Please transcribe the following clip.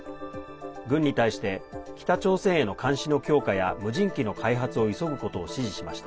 軍に対して北朝鮮への監視の強化や無人機の開発を急ぐことを指示しました。